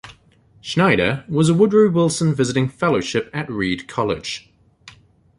Schneider was a Woodrow Wilson Visiting Fellowship at Reed College.